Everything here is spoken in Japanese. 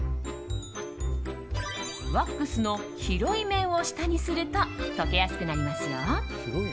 ワックスの広い面を下にすると溶けやすくなりますよ。